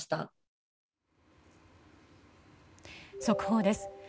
速報です。